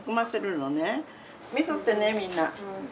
見とってねみんな。